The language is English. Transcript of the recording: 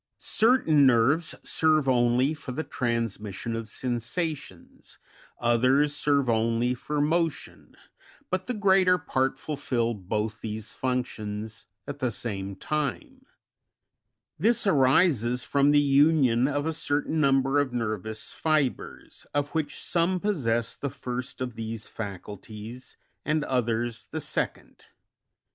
23. Certain nerves serve only for the transmission of sensations, others serve only for motion, but the greater part fulfil both these functions at the same time ; this arises from the union of a certain number of nervous fibres, of which some possess the first of these faculties, and others the second.